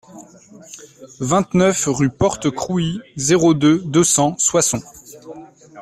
vingt-neuf rue Porte Crouy, zéro deux, deux cents Soissons